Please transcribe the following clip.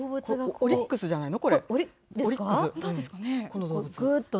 オリックスじゃないの？